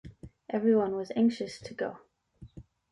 Everyone was anxious to go.